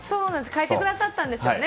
書いてくださったんですよね。